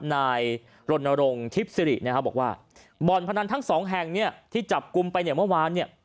นายรณรงค์ทิพย์สิรินะครับบอกว่าบ่อนพนันทั้งสองแห่งเนี่ยที่จับกลุ่มไปเนี่ยเมื่อวานเนี่ย